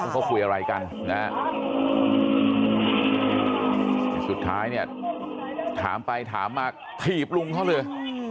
เขาคุยอะไรกันนะฮะแต่สุดท้ายเนี่ยถามไปถามมาถีบลุงเขาเลย